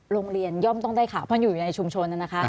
โรงเรียนย่อมต้องได้ข่าวเพราะอยู่ในชุมชน